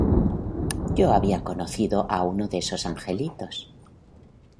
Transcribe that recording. Yo había conocido a uno de esos angelitos.